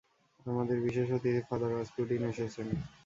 আমাদের বিশেষ অতিথি ফাদার রাসপুটিন এসেছেন।